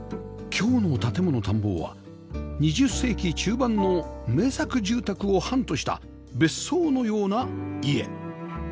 今日の『建もの探訪』は２０世紀中盤の名作住宅を範とした別荘のような家